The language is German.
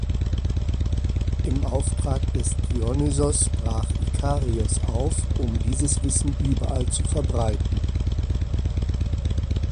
Im Auftrag des Dionysos brach Ikarios auf, um dieses Wissen überall zu verbreiten.